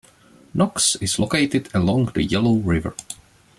Knox is located along the Yellow River.